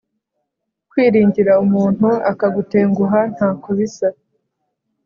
Kwiringira umuntu akagutenguha ntako bisa